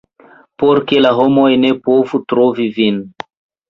por ke la homoj ne povu trovi vin.